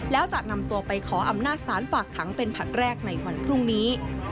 แล้วจะนำตัวไปขออำนาจศาลฝากขังเป็นผลัดแรกในวันพรุ่งนี้